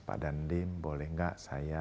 pak dandim boleh tidak